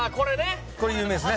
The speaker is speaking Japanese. これ有名っすね